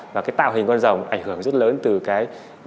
và cái tạo hình con rồng ảnh hưởng rất lớn từ cái